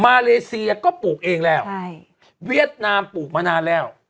เลเซียก็ปลูกเองแล้วใช่เวียดนามปลูกมานานแล้ว